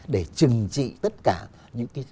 để trừng trị tất cả những cái